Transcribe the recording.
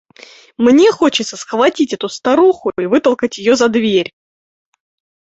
Мне хочется схватить эту старуху и вытолкать ее за дверь.